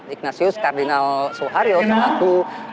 ignatius kardinal suharyo seorang aku